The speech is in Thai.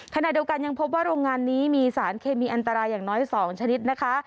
ขณะเดียวกันยังพบว่าโรงงานนี้มีสารเคมีอันตรายอย่างน้อย๒ชนิดนะคะ